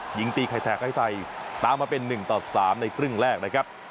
หยิงตีไทยตามมาเป็นหนึ่งต่อสามในครึ่งแรกนะครับ